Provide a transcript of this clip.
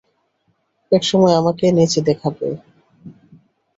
একসময় আমাকে নেচে দেখাবে?